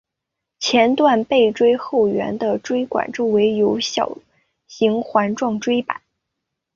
前段背椎后缘的椎管周围有小型环状椎版。